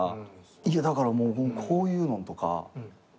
いやだからもうこういうのとか。